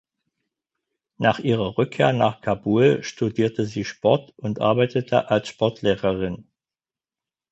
Nach ihrer Rückkehr nach Kabul studierte sie Sport und arbeitete als Sportlehrerin.